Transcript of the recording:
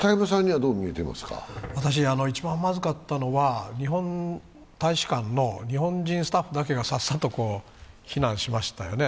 一番まずかったのは、日本大使館の日本人スタッフだけがさっさと避難しましたよね。